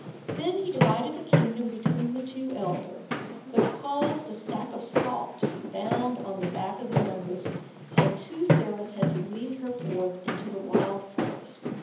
Then he divided the kingdom between the two elder, but caused a sack of salt to be bound on the back of the youngest, and two servants had to lead her forth into the wild forest.